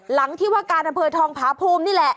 หลังที่ว่าการอำเภอทองผาภูมินี่แหละ